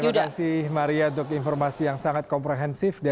terima kasih maria untuk informasi yang sangat komprehensif